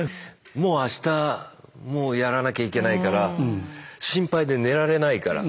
もう明日もうやらなきゃいけないから心配で寝られないから。